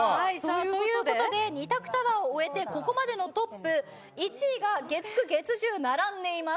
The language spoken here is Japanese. ということで２択タワーを終えてここまでのトップ１位が月９月１０並んでいます。